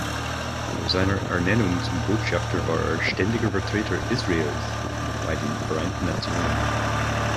Vor seiner Ernennung zum Botschafter war er Ständiger Vertreter Israels bei den Vereinten Nationen.